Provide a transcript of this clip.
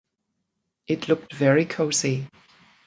It looked very cosy.